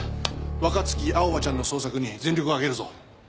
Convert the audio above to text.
若月青葉ちゃんの捜索に全力をあげるぞ！